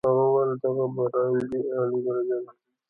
هغه وویل دغه برانډې اعلی درجه ده.